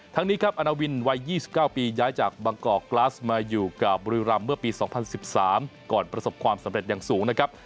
นี้ครับอาณาวินวัย๒๙ปีย้ายจากบางกอกกลาสมาอยู่กับบุรีรำเมื่อปี๒๐๑๓ก่อนประสบความสำเร็จอย่างสูงนะครับ